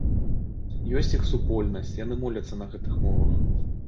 Ёсць іх супольнасць, яны моляцца на гэтых мовах.